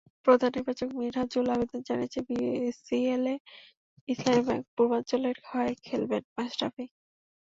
প্রধান নির্বাচক মিনহাজুল আবেদীন জানিয়েছেন, বিসিএলে ইসলামী ব্যাংক পূর্বাঞ্চলের হয়ে খেলবেন মাশরাফি।